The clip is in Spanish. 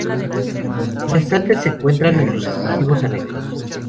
Los restantes se encuentran en los respectivos anexos.